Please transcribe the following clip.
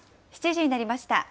７時になりました。